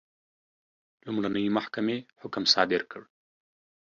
لومړنۍ محکمې حکم صادر کړ.